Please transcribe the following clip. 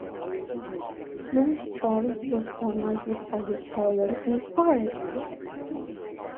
Louis Charles was born at the Palais-Royal in Paris.